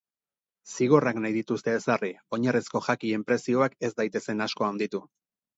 Zigorrak nahi dituzte ezarri, oinarrizko jakien prezioak ez daitezen asko handitu.